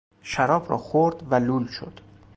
شراب را خورد و لول شد.